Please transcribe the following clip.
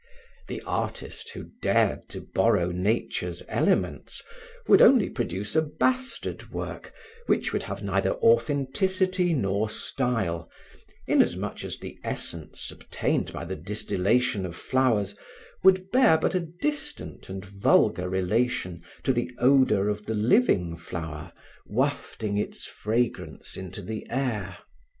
The artist who dared to borrow nature's elements would only produce a bastard work which would have neither authenticity nor style, inasmuch as the essence obtained by the distillation of flowers would bear but a distant and vulgar relation to the odor of the living flower, wafting its fragrance into the air.